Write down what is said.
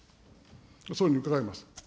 総理に伺います。